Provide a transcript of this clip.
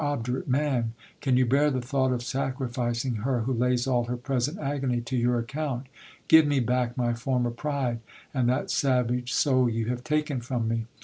Obdurate man ! Can you bear the thought of sacrificing her who lays all her present agony to your account ? Give me back my former pride, and that savage soul you have taken from me.